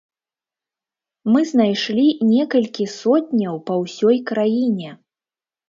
Мы знайшлі некалькі сотняў па ўсёй краіне!